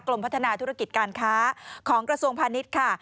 พัฒนาธุรกิจการค้าของกระทรวงพาณิชย์ค่ะ